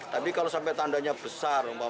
tapi kalau sampai tandanya besar